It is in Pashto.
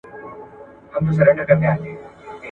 علم د ټولني د ستونزو په حل کي مرسته کوي.